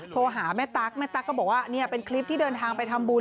โทรหาแม่ตั๊กแม่ตั๊กก็บอกว่านี่เป็นคลิปที่เดินทางไปทำบุญ